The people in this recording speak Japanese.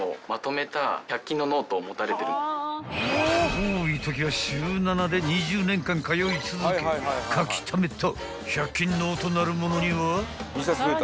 ［多いときは週７で２０年間通い続け書きためた１００均ノートなるものには］